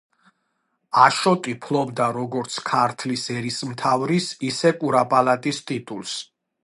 აშოტი ფლობდა როგორც ქართლის ერისმთავრის ისე კურაპალატის ტიტულს.